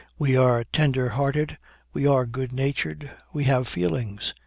We are tender hearted; we are good natured; we have feelings.